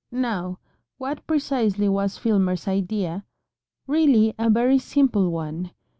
Now what precisely was Filmer's idea? Really a very simple one.